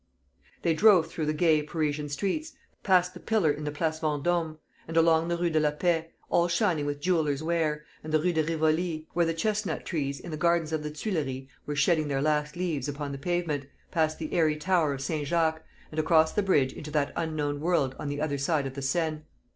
They drove through the gay Parisian streets, past the pillar in the Place Vendôme, and along the Rue de la Paix, all shining with jewellers' ware, and the Rue de Rivoli, where the chestnut trees in the gardens of the Tuileries were shedding their last leaves upon the pavement, past the airy tower of St. Jacques, and across the bridge into that unknown world on the other side of the Seine.